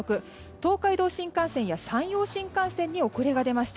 東海道新幹線や山陽新幹線に遅れが出ました。